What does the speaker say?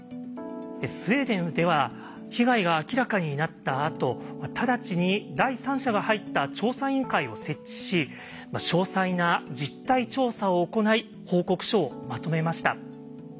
スウェーデンでは被害が明らかになったあと直ちに第三者が入った調査委員会を設置し詳細な実態調査を行い報告書をまとめました。